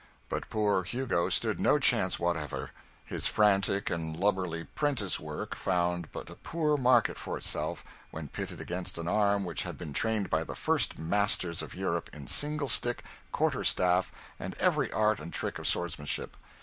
But poor Hugo stood no chance whatever. His frantic and lubberly 'prentice work found but a poor market for itself when pitted against an arm which had been trained by the first masters of Europe in single stick, quarter staff, and every art and trick of swordsmanship.